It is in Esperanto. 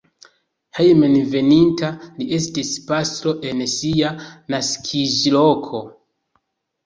Hejmenveninta li estis pastro en sia naskiĝloko.